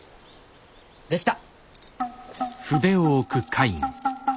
できた！